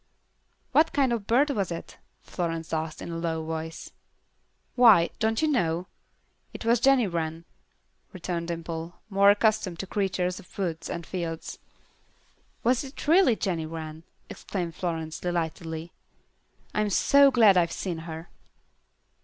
"What kind of bird was it?" Florence asked, in a low voice. "Why, don't you know? That was Jenny Wren," returned Dimple, more accustomed to creatures of woods and fields. "Was it really Jenny Wren?" exclaimed Florence, delightedly. "I'm so glad I've seen her."